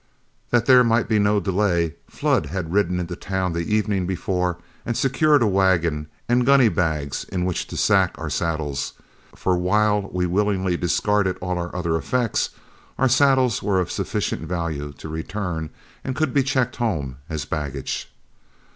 That there might he no delay, Flood had ridden into town the evening before and secured a wagon and gunny bags in which to sack our saddles; for while we willingly discarded all other effects, our saddles were of sufficient value to return and could be checked home as baggage.